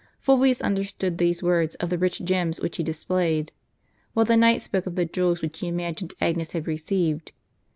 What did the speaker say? Fulvius understood these words of the rich gems which he displayed ; while the knight spoke of the jewels which he imagined Agnes had received.